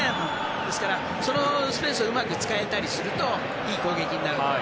ですから、そのスペースをうまく使えたりするといい攻撃になる。